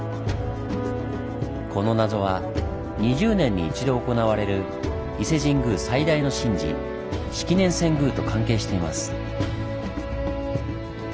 この謎は２０年に一度行われる伊勢神宮最大の神事「式年遷宮」と関係しています。